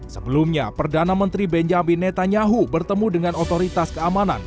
sebelumnya perdana menteri benjambi netanyahu bertemu dengan otoritas keamanan